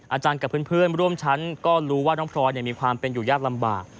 อาจารย์กับเพื่อนร่วมชั้นก็รู้ว่าน้องพลอยมีความเป็นอยู่ยากลำบาก